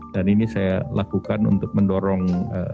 dan ini saya lakukan untuk mendorong